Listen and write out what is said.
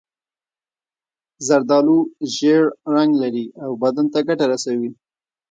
زردالو ژېړ رنګ لري او بدن ته ګټه رسوي.